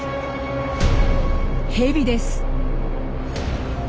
ヘビです。